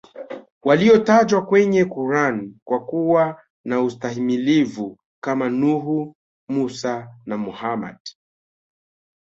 walio tajwa kwenye Quran kwa kuwa na ustahimilivu Kama nuhu mussa na Muhammad